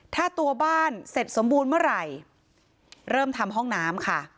ถ้าตัวบ้านเสร็จสมบูรณ์เมื่อไหร่เริ่มทำห้องน้ำค่ะ